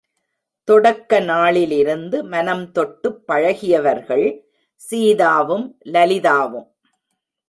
தொடக்க நாளிலிருந்து மனம்தொட்டுப் பழகியவர்கள் சீதாவும் லலிதாவும்.